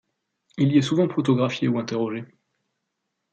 Il y est souvent photographié ou interrogé.